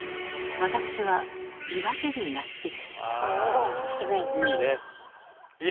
私はびわゼリーが好きです。え！